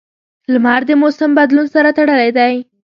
• لمر د موسم بدلون سره تړلی دی.